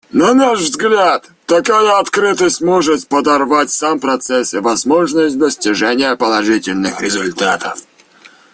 На наш взгляд, такая открытость может подорвать сам процесс и возможность достижения положительных результатов.